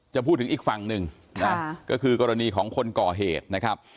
จะพูดถึงอีกฝั่งหนึ่งนะก็คือกรณีของคนก่อเหตุนะครับ